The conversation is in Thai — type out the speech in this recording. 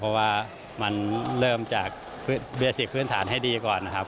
เพราะว่ามันเริ่มจากเบียสิทพื้นฐานให้ดีก่อนนะครับ